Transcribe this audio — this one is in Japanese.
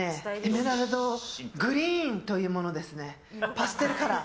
パステルカラー。